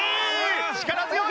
力強い！